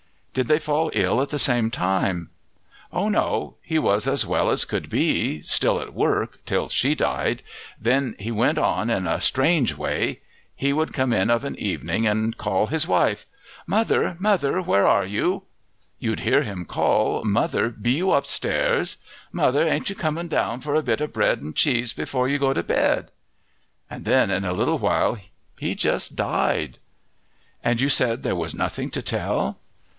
"Did they fall ill at the same time?" "Oh no, he was as well as could be, still at work, till she died, then he went on in a strange way. He would come in of an evening and call his wife. 'Mother! Mother, where are you?' you'd hear him call, 'Mother, be you upstairs? Mother, ain't you coming down for a bit of bread and cheese before you go to bed?' And then in a little while he just died." "And you said there was nothing to tell!"